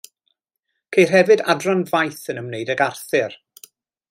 Ceir hefyd adran faith yn ymwneud ag Arthur.